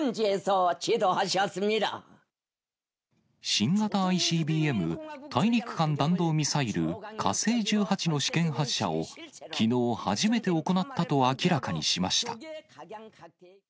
新型ＩＣＢＭ・大陸間弾道ミサイル火星１８の試験発射を、きのう初めて行ったと明らかにしました。